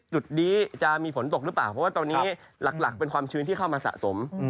จุดนี้จะมีฝนตกหรือเปล่าเพราะว่าตอนนี้หลักเป็นความชื้นที่เข้ามาสะสม